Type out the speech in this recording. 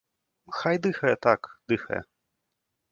Хай дыхае так, дыхае.